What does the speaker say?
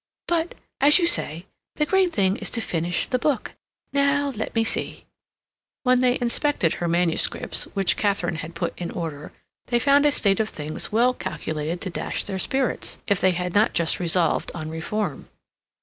But, as you say, the great thing is to finish the book. Now let me see—" When they inspected her manuscripts, which Katharine had put in order, they found a state of things well calculated to dash their spirits, if they had not just resolved on reform.